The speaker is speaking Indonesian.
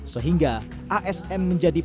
sehingga asn menjadikan